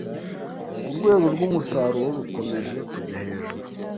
urwego rwumusaruro rukomeje kujya hejuru